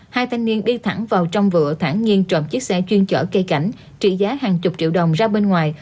hai thanh niên đi thẳng vào trong vựa thản nhiên trộm chiếc xe chuyên chở cây cảnh trị giá hàng chục triệu đồng ra bên ngoài